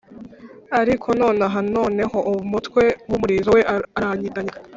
ariko nonaha noneho umutwe wumurizo we uranyeganyega